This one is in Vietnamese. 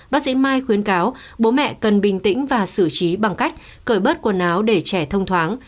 bác sĩ mai khuyến cáo bố mẹ cần bình tĩnh và xử trí bằng cách cởi bớt quần áo để trẻ thông thoáng